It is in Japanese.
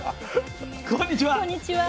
こんにちは。